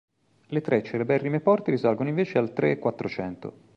Le tre celeberrime porte risalgono invece al Tre-Quattrocento.